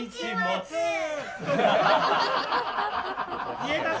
言えたぞ！